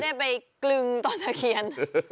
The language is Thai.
ได้ไปกลึงต้นตะเคียน